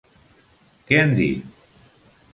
Què han dit?